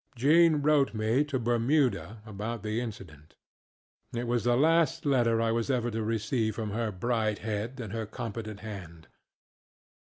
Jean wrote me, to Bermuda, about the incident. It was the last letter I was ever to receive from her bright head and her competent hand.